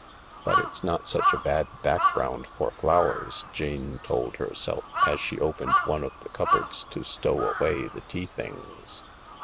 " But it's not such a bad background for flowers," Jane told herself, as she opened one of the cupboards to stow away the tea things.